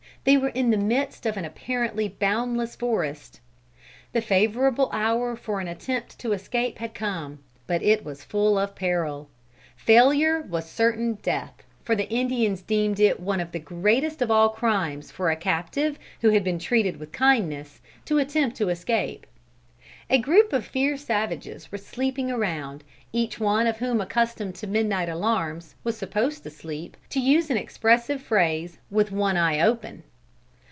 They were in the midst of an apparently boundless forest. The favorable hour for an attempt to escape had come. But it was full of peril. Failure was certain death, for the Indians deemed it one of the greatest of all crimes for a captive who had been treated with kindness to attempt to escape. A group of fierce savages were sleeping around, each one of whom accustomed to midnight alarms, was supposed to sleep, to use an expressive phrase, "with one eye open."